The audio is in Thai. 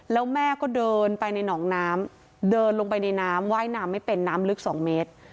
แล้วแม่ก็เดินไปในหนองน้ำเดินลงไปในน้ำว่ายน้ำไม่เป็นน้ำลึก๒เมตร